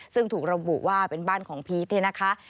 ซึ่งถูกระบุว่าเป็นบ้านของพีชเนี่ยนะคะ